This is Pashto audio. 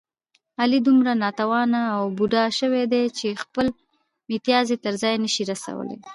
علي دومره ناتوانه و بوډا شوی دی، چې خپل متیازې تر ځایه نشي رسولی.